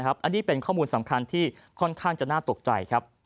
อันนี้เป็นข้อมูลสำคัญที่ค่อนข้างจะน่าตกใจครับ